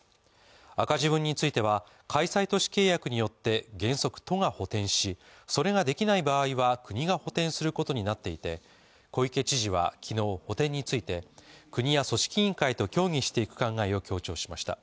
赤字分については、開催都市契約について原則、都が補てんしそれができない場合は国が補てんすることになっていて小池知事は昨日、補填について、国や組織委員会と協議していく考えを強調しました。